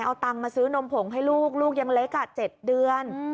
เอาตังค์มาซื้อนมผงให้ลูกลูกยังเล็ก๗เดือน